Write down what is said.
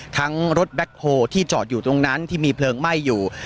รถแบ็คโฮที่จอดอยู่ตรงนั้นที่มีเพลิงไหม้อยู่